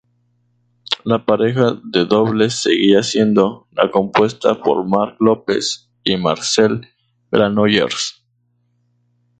La pareja de dobles seguía siendo la compuesta por Marc López y Marcel Granollers.